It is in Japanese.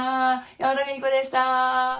「山田邦子でした」